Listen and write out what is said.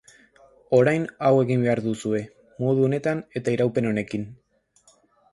Orain hau egin behar duzue, modu honetan eta iraupen honekin.